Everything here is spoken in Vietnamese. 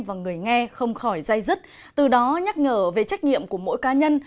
và người nghe không khỏi dây dứt từ đó nhắc nhở về trách nhiệm của mỗi cá nhân